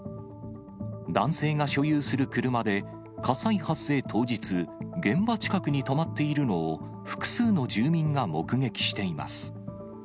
男性が所有する車で、火災発生当日、現場近くに止まっているのを、複数の住民が目撃しています。